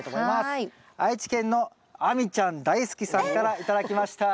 愛知県の亜美ちゃん大好きさんから頂きました。